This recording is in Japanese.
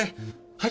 はい！